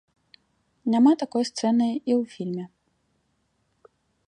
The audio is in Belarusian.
Няма такой сцэны і ў фільме.